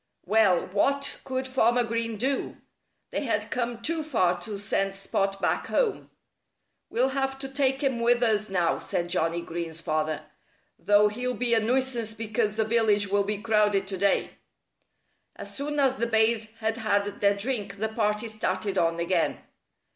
Well, what could Farmer Green do? They had come too far to send Spot back home. "We'll have to take him with us now," said Johnnie Green's father, "though he'll be a nuisance because the village will be crowded to day." As soon as the bays had had their drink the party started on again.